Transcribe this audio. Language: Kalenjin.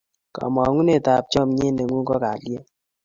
kamangunet ab chamiet nengun ko kalyet